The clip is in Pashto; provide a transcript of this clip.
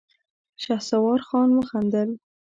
شهسوار خان وخندل.